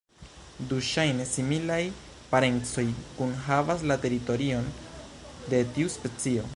Du ŝajne similaj parencoj kunhavas la teritorion de tiu specio.